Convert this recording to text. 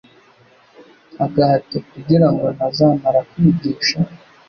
agahato, kugira ngo ntazamara kwigisha